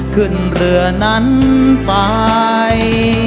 ขึ้นเรือนั้นไป